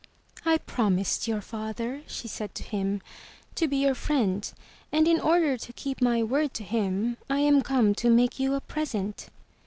"I promised your father," said she to him, "to be your friend, and in order to keep my word to him, I am come to make you a present."